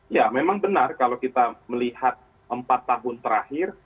ya memang benar kalau kita melihat empat tahun terakhir